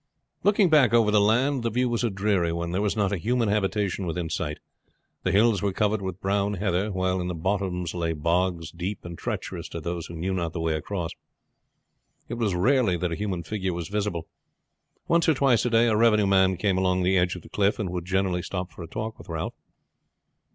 Looking back over the land the view was a dreary one. There was not a human habitation within sight, the hills were covered with brown heather, while in the bottoms lay bogs, deep and treacherous to those who knew not the way across. It was rarely that a human figure was visible. Once or twice a day a revenue man came along the edge of the cliff, and would generally stop for a talk with Ralph.